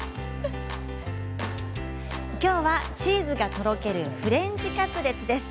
きょうはチーズがとろけるフレンチカツレツです。